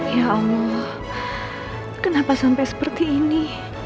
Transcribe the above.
ya allah kenapa sampai seperti ini